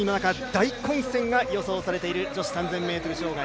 大混戦が予想されてる女子３０００ｍ障害。